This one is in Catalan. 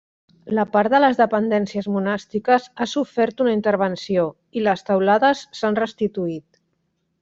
La part de les dependències monàstiques ha sofert una intervenció i les teulades s'han restituït.